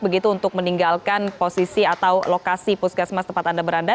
begitu untuk meninggalkan posisi atau lokasi puskesmas tempat anda berada